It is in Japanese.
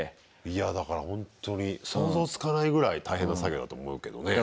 いやだからほんとに想像つかないぐらい大変な作業だと思うけどね。